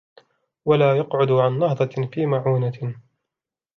وَلَا يَقْعُدُ عَنْ نَهْضَةٍ فِي مَعُونَةٍ